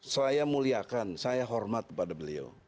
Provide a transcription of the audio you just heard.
saya muliakan saya hormat kepada beliau